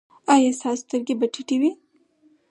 ایا ستاسو سترګې به ټیټې وي؟